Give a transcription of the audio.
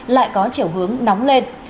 lại có chiều hướng nóng lên